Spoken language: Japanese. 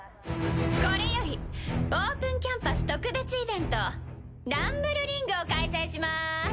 これよりオープンキャンパス特別イベントランブルリングを開催します。